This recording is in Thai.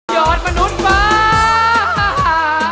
อดมนุษย์ว้า